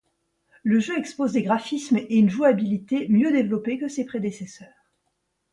Le jeu expose des graphismes et une jouabilité mieux développé que ces prédécesseurs.